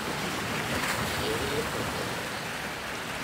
Yerra-yakent-tent.